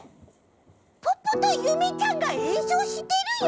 ポッポとゆめちゃんがえんそうしてるよ！